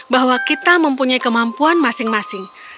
bahwa kita mempunyai kemampuan masing masing